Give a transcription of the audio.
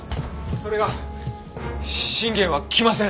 それが信玄は来ません。